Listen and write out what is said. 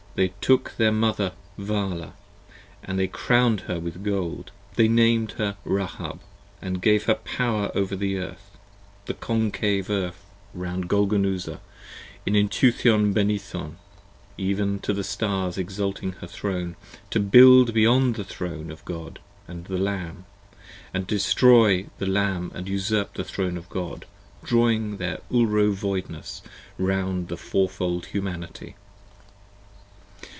15 They took their Mother Vala, and they crown'd her with gold: They nam'd her Rahab, & gave her power over the Earth, The Concave Earth round Golgonooza in Entuthan Benython, Even to the stars exalting her Throne, to build beyond the Throne Of God and the Lamb, to destroy the Lamb & usurp the Throne of God, 20 Drawing their Ulro Voidness round the Four fold Humanity.